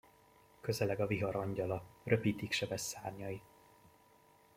Közeleg a vihar angyala, röpítik sebes szárnyai.